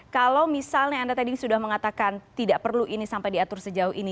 kalau misalnya anda tadi sudah mengatakan tidak perlu ini sampai diatur sejauh ini